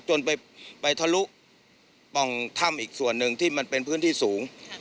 จนไปทะลุป่องถ้ำอีกส่วนหนึ่งที่มันเป็นพื้นที่สูง